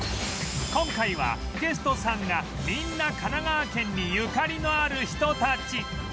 今回はゲストさんがみんな神奈川県にゆかりのある人たち